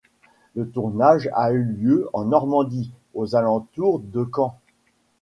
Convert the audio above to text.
Le tournage a eu lieu en Normandie, aux alentours de Caen.